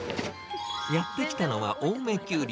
やって来たのは青梅丘陵。